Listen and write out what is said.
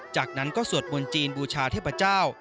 จากนั้นก็สวดมนต์จีนบูชาเทพเจ้า